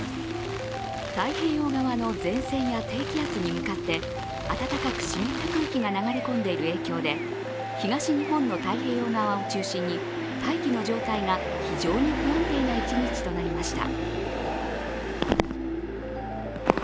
太平洋側の前戦や低気圧に向かってあたたかく湿った空気が流れ込んでいる影響で、東日本の太平洋側を中心に大気の状態が非常に不安定な一日となりました。